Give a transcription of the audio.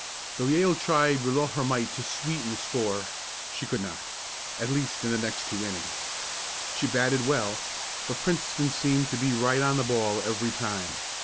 Though Yale tried with all her might to sweeten the score, she could not at least in the next two innings. She batted well, but Princeton seemed to be right on the ball every time.